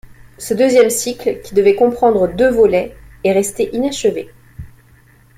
Ce deuxième cycle, qui devait comprendre deux volets, est resté inachevé.